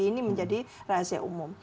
ini menjadi rahasia umum